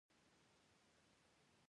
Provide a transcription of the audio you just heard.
آمو سیند د ټولو افغانانو ژوند اغېزمن کوي.